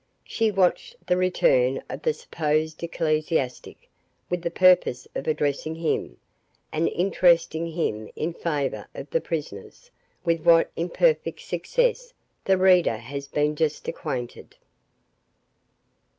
She watched the return of the supposed ecclesiastic, with the purpose of addressing him, and interesting him in favour of the prisoners; with what imperfect success the reader has been just acquainted.